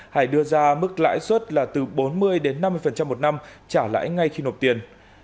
hải đưa ra mức lãi suất là từ bốn mươi đến năm mươi một năm trả lãi ngay khi nộp tiền